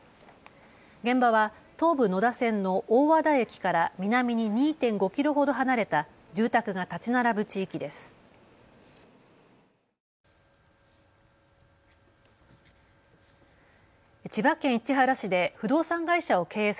現場は東武野田線の大和田駅から南に２．５キロほど離れた住宅が建ち並ぶ地域です。